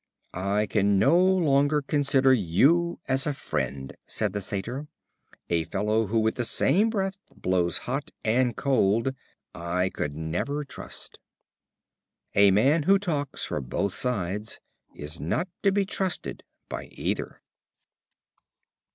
"I can no longer consider you as a friend," said the Satyr; "a fellow who with the same breath blows hot and cold I could never trust." A man who talks for both sides is not to be trusted by either.